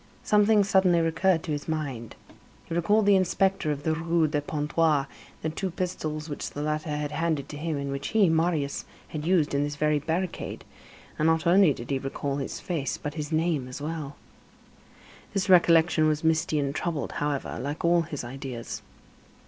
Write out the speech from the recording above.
Something suddenly recurred to his mind. He recalled the inspector of the Rue de Pontoise, and the two pistols which the latter had handed to him and which he, Marius, had used in this very barricade, and not only did he recall his face, but his name as well. This recollection was misty and troubled, however, like all his ideas.